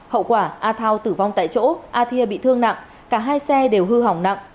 hậu quả a thao tử vong tại chỗ a thia bị thương nặng cả hai xe đều hư hỏng nặng